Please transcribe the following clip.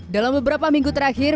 dalam beberapa minggu terakhir